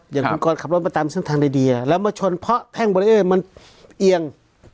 ใช่ไหมครับอย่างคุณกรขับรถมาตามทางดีแล้วมาชนเพราะแท่งบริเวณมันเอียง